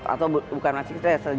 atau bukan masih kecil